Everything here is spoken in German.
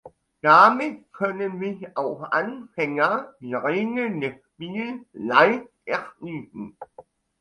Damit können sich auch Anfänger die Regeln des Spiels leicht erschließen.